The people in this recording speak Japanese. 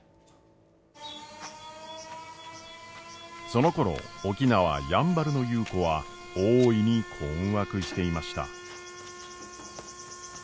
そのころ沖縄やんばるの優子は大いに困惑していました。